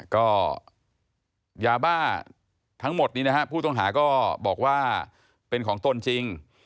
ก็ยาบ้าทั้งหมดนี้นะฮะผู้ต้องหาก็บอกว่าเป็นของตนจริง